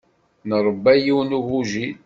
Nṛebba yiwen n ugujil.